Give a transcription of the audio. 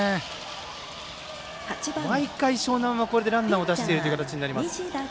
毎回、樟南はこれでランナーを出している形になります。